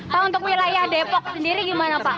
pak untuk wilayah depok sendiri gimana pak